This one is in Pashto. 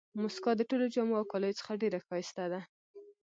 مسکا د ټولو جامو او کالیو څخه ډېره ښایسته ده.